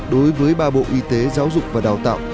đối với ba bộ y tế giáo dục và đào tạo